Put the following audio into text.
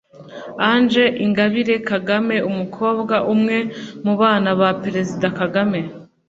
Ange Ingabire Kagame umukobwa umwe mu bana ba Perezida Kagame